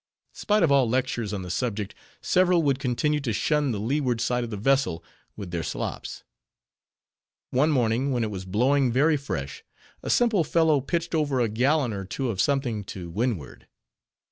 Spite of all lectures on the subject, several would continue to shun the leeward side of the vessel, with their slops. One morning, when it was blowing very fresh, a simple fellow pitched over a gallon or two of something to windward.